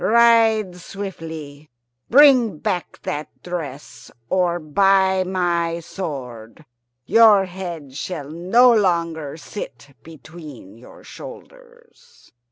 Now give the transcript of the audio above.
Ride swiftly. Bring back that dress, or, by my sword, your head shall no longer sit between your shoulders!"